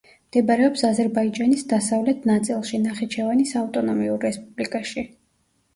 მდებარეობს აზერბაიჯანის დასავლეთ ნაწილში ნახიჩევანის ავტონომიურ რესპუბლიკაში.